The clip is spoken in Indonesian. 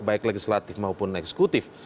baik legislatif maupun eksekutif